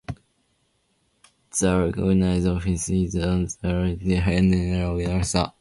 The registered office is at Pixham End, Dorking in Surrey.